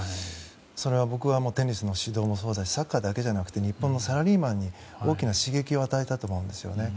それは僕もテニスの指導もそうだしサッカーだけじゃなくて日本のサラリーマンに大きな刺激を与えたと思うんですよね。